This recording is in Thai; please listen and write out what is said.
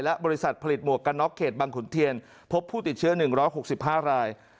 และบริษัทผลิตหมวกกันน็อกเขตบังขุนเทียนพบผู้ติดเชื้อ๑๖๕ราย